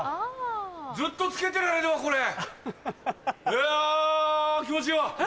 いや気持ちいいわ。